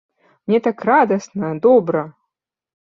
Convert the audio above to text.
Мне так радасна, добра.